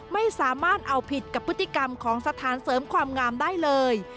ไม่สามารถเอาผิดกับพฤติกรรมของสถานเสริมความงามได้เลย